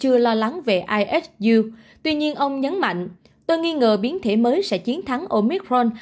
chưa lo lắng về isu tuy nhiên ông nhấn mạnh tôi nghi ngờ biến thể mới sẽ chiến thắng omicron